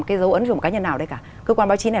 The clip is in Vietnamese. cái dấu ấn cho một cá nhân nào đấy cả cơ quan báo chí này